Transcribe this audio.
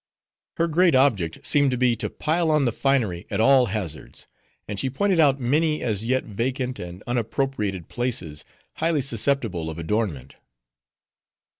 Her great object seemed to be to pile on the finery at all hazards; and she pointed out many as yet vacant and unappropriated spaces, highly susceptible of adornment.